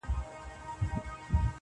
د فکرونه، ټوله مزخرف دي,